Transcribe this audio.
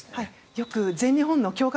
よく全日本の強化